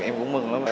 em cũng mừng lắm